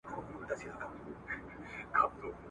ملي شورا پټ قرارداد نه عملي کوي.